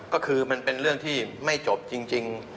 ก็คือมันเป็นเรื่องที่ไม่จบจริง